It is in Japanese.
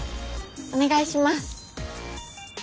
お願いします。